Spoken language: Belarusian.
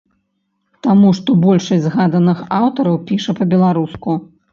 Таму што большасць згаданых аўтараў піша па-беларуску.